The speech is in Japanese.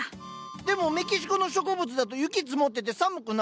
でもメキシコの植物だと雪積もってて寒くないの？